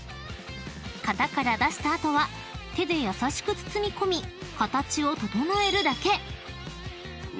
［型から出した後は手で優しく包み込み形を整えるだけ］